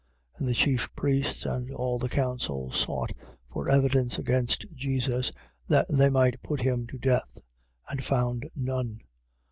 14:55. And the chief priests and all the council sought for evidence against Jesus, that they might put him to death: and found none.